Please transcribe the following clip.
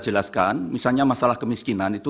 jelaskan misalnya masalah kemiskinan itu